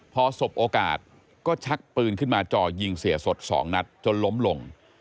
พอสบโอกาสก็ชักปืนขึ้นมาจ่อยิงเสียสด๒นัดจนล้มลง